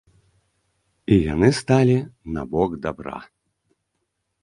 І яны сталі на бок дабра.